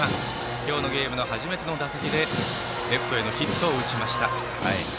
今日のゲームの初めての打席でレフトへのヒットを打ちました。